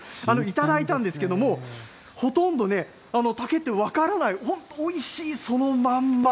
頂いたんですけれども、ほとんどね、竹って分からない、本当、おいしい、そのまんま。